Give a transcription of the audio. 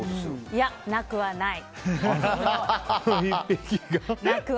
いや、なくはない！